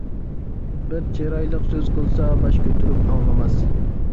بىر چىرايلىق سۆز قىلسا باش كۆتۈرۈپ ئاڭلىماس.